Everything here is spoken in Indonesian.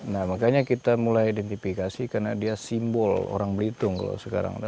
nah makanya kita mulai identifikasi karena dia simbol orang belitung kalau sekarang